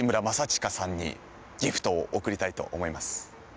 にギフトを贈りたいと思います。